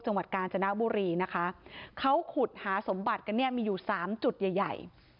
จังหวัดกาญจนบุรีนะคะเขาขุดหาสมบัติกันเนี่ยมีอยู่สามจุดใหญ่ใหญ่